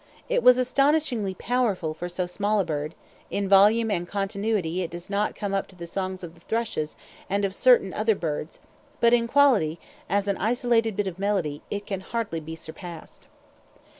It was astonishingly powerful for so small a bird; in volume and continuity it does not come up to the songs of the thrushes and of certain other birds, but in quality, as an isolated bit of melody, it can hardly be surpassed.